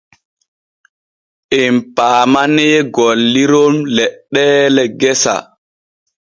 Em paamanee golliron leɗɗeele gesa.